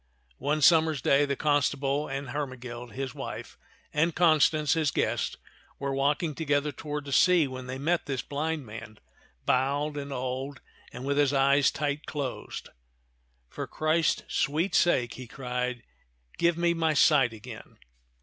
One summer's day the constable and Hermegild, his wife, and Constance, his guest, were walking together toward the sea, when they met this blind man, bowed and old and with his eyes tight closed. For Christ's sweet sake," he cried, "give me my sight again